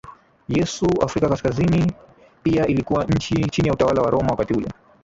Yesu Afrika Kaskazini pia ilikuwa chini ya utawala wa Roma Wakati ule